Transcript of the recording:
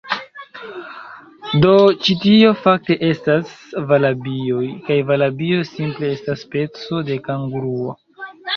Do, ĉi tio, fakte, estas valabio kaj valabio simple estas speco de kanguruo.